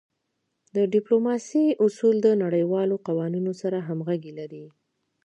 د ډیپلوماسی اصول د نړیوالو قوانینو سره همږغي لری.